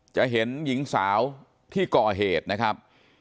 จะเห็นหญิงสาวที่ก่อเหตุนะครับ